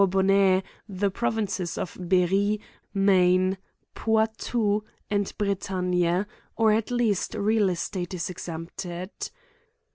bonnais, the provinces of Berri, Maine, Poitou, and Bretagne, or, at least, real estate is exempted.